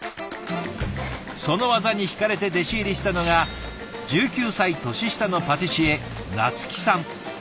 その技にひかれて弟子入りしたのが１９歳年下のパティシエ菜月さん。